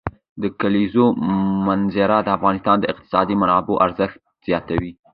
د کلیزو منظره د افغانستان د اقتصادي منابعو ارزښت زیاتوي.